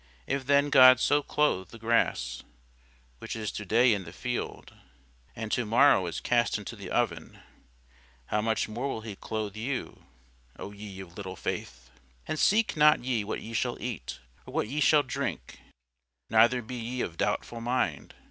If then God so clothe the grass, which is to day in the field, and to morrow is cast into the oven; how much more will he clothe you, O ye of little faith? And seek not ye what ye shall eat, or what ye shall drink, neither be ye of doubtful mind.